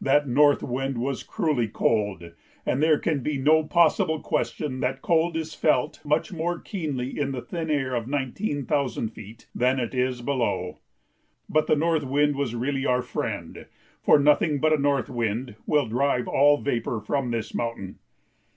That north wind was cruelly cold, and there can be no possible question that cold is felt much more keenly in the thin air of nineteen thousand feet than it is below. But the north wind was really our friend, for nothing but a north wind will drive all vapor from this mountain.